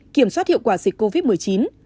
kiểm soát hiệu quả dịch covid một mươi chín